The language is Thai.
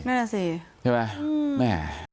แน่นอนสิอืมใช่ไหมแน่นอน